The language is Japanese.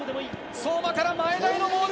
相馬から前田へのボール。